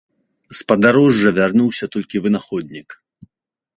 З падарожжа вярнуўся толькі вынаходнік.